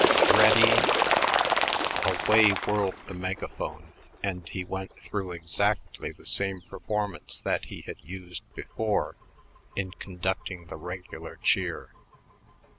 Ready !" Away whirled the megaphone, and he went through exactly the same performance that he had used before in conducting the regular cheer.